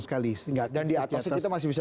sekali dan di atas itu kita masih bisa